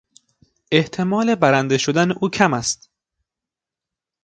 احتمال برنده شدن او کم است.